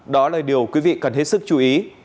đó là điều quý vị cần hết sức chú ý